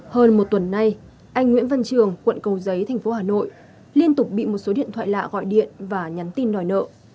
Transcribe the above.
hơn một tuần nay anh nguyễn văn trường quận cầu giấy thành phố hà nội liên tục bị một số điện thoại lạ gọi điện và nhắn tin đòi nợ